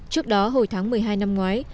trước đó hồi tháng một mươi hai năm ngoái